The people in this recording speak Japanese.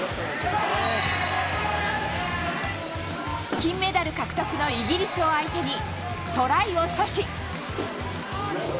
金メダル獲得のイギリスを相手にトライを阻止。